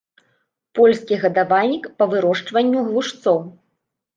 Польскі гадавальнік па вырошчванню глушцоў.